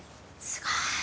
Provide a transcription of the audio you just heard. すごーい。